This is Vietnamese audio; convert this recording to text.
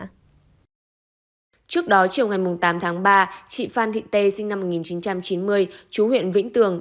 trước đó chiều ngày tám tháng ba chị phan thị tê sinh năm một nghìn chín trăm chín mươi chú huyện vĩnh tường